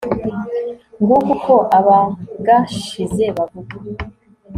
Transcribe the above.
nguko uko abagashize bavuga